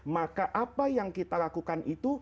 maka apa yang kita lakukan itu